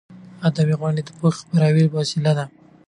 ادبي غونډې د پوهې د خپراوي وسیله ده.